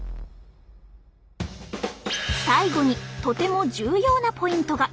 最後にとても重要なポイントが。